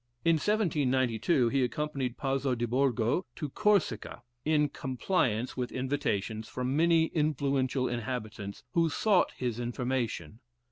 In 1792, he accompanied Pozzo di Borgo to Corsica, in compliance with invitations from many influential inhabitants, who sought his information.